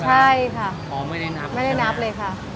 ใช่ค่ะอ๋อไม่ได้นับไหมเป็นญาปณ์มากไม่ได้นับเลยค่ะ